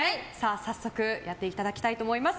早速、やっていただきたいと思います。